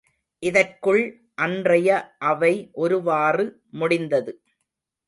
இதற்குள் அன்றைய அவை ஒருவாறு முடிந்தது.